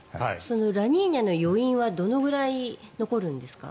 ラニーニャの余韻はどのぐらい残るんですか？